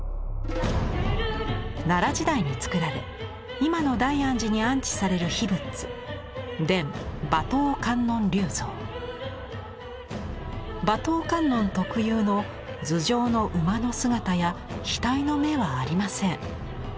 奈良時代に作られ今の大安寺に安置される秘仏馬頭観音特有の頭上の馬の姿や額の目はありません。